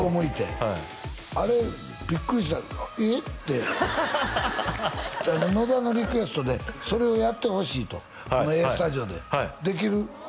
はいあれビックリした「えっ？」ってだから野田のリクエストでそれをやってほしいとこの「ＡＳＴＵＤＩＯ＋」でできる？